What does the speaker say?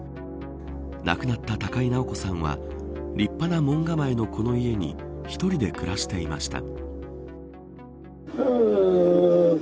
亡くなった高井直子さんは立派な門構えのこの家に一人で暮らしていました。